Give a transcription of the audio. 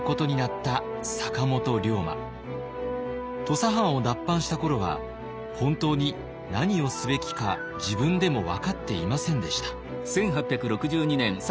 土佐藩を脱藩した頃は本当に何をすべきか自分でも分かっていませんでした。